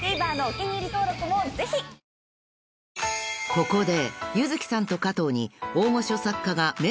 ［ここで］